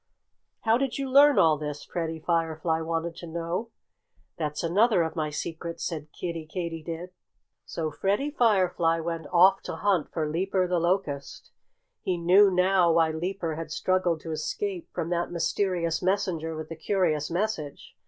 "How did you learn all this?" Freddie Firefly wanted to know. "That's another of my secrets," said Kiddie Katydid. So Freddie Firefly went off to hunt for Leaper the Locust. He knew now why Leaper had struggled to escape from that mysterious messenger with the curious message.